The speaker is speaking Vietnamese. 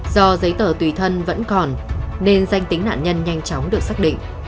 do giấy tờ tùy thân vẫn còn nên danh tính nạn nhân nhanh chóng được xác định